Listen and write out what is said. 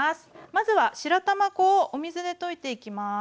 まずは白玉粉をお水で溶いていきます。